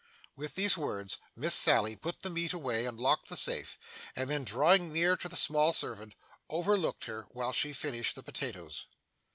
With those words, Miss Sally put the meat away and locked the safe, and then drawing near to the small servant, overlooked her while she finished the potatoes.